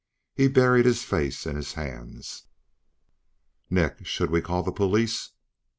He buried his face in his hands. "Nick. Should we call the police?"